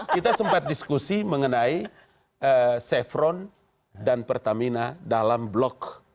kita sempat diskusi mengenai chevron dan pertamina dalam blok